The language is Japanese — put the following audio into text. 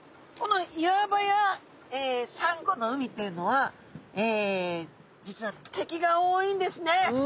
この岩場やサンゴの海というのは実は敵が多いんですね。